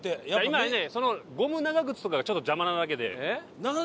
今その「ゴム長靴」とかがちょっと邪魔なだけで。